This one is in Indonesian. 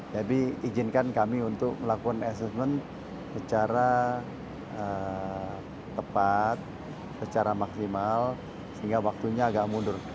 tapi izinkan kami untuk melakukan assessment secara tepat secara maksimal sehingga waktunya agak mundur